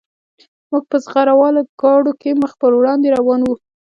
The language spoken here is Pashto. موږ په زغره والو ګاډو کې مخ په وړاندې روان وو